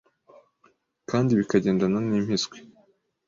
kandi bikagendana n’impiswi